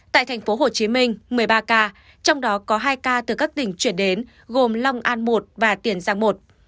tại tp hcm một mươi ba ca trong đó có hai ca từ các tỉnh chuyển đến gồm long an một và tiền giang i